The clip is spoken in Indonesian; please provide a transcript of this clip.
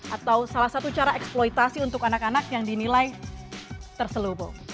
atau salah satu cara eksploitasi untuk anak anak yang dinilai terselubung